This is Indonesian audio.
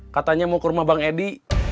katanya mau ke rumah bang edi